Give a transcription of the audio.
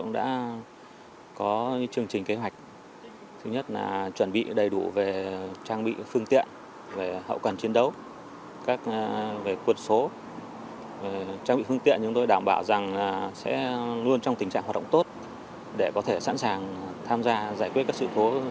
để có thể sẵn sàng tham gia giải quyết các sự thố khi có yêu cầu